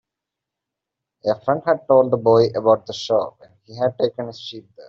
A friend had told the boy about the shop, and he had taken his sheep there.